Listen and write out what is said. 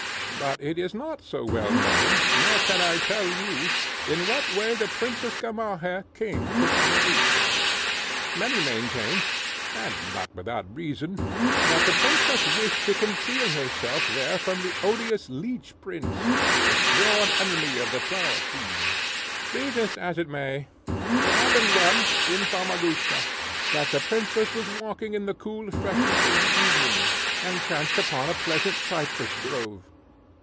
But it is not so well known, nor can I tell you, in what way the Princess Gamaheh came to Famagusta. Many maintain, and not without reason, that the princess wished to conceal herself there from the odious Leech Prince, the sworn enemy of the Flower Queen. Be this as it may, it happened once in Famagusta, that the princess was walking in the cool freshness of the evening, and chanced upon a pleasant cypress grove.